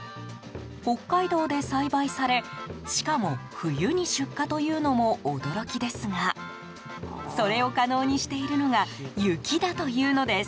北海道で栽培されしかも冬に出荷というのも驚きですがそれを可能にしているのが雪だというのです。